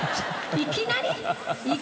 いきなり？